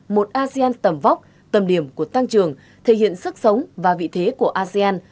một asean tầm vóc tầm điểm của tăng trưởng thể hiện sức sống và vị thế của asean